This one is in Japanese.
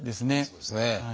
そうですね。